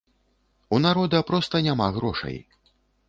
У народа проста няма грошай.